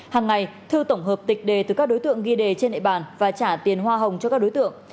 hàng ngày thư tổng hợp tịch đề từ các đối tượng ghi đề trên địa bàn và trả tiền hoa hồng cho các đối tượng